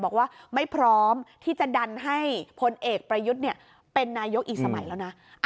บอกว่าไม่พร้อมที่จะดันให้พลเอกประยุทธ์เป็นนายกอีกสมัยแล้วนะ